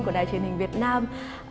của đài truyền hình việt nam